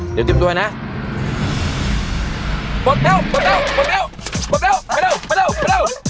เดี๋ยวเตรียมตัวเลยนะบบเร็วบบเร็วบบเร็วบบเร็วไปเร็วไปเร็วไปเร็ว